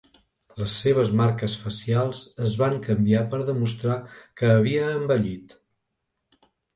Les seves marques facials es van canviar per demostrar que havia envellit.